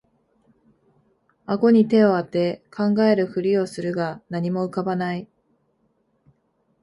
あごに手をあて考えるふりをするが何も浮かばない